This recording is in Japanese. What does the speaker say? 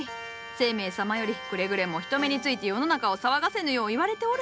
晴明様よりくれぐれも人目について世の中を騒がせぬよう言われておる。